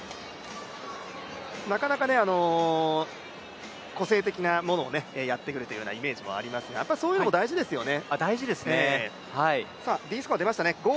なかなか個性的なものをやってくるというようなイメージもありますがそういのも大事ですよね。